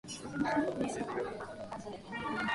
法政大学ホッピー